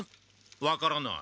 分からない。